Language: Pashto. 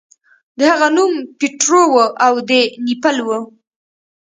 د هغه نوم پیټرو و او د نیپل و.